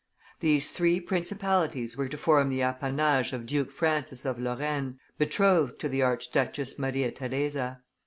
These three principalities were to form the appanage of Duke Francis of Lorraine, betrothed to the Archduchess Maria Theresa.